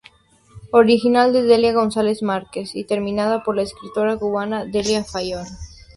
Original de Delia González Márquez y terminada por la escritora cubana Delia Fiallo.